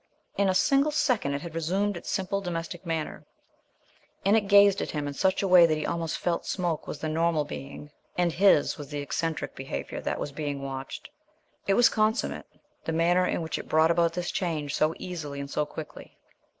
In a single second it had resumed its simple, domestic manner; and it gazed at him in such a way that he almost felt Smoke was the normal being, and his was the eccentric behaviour that was being watched. It was consummate, the manner in which it brought about this change so easily and so quickly.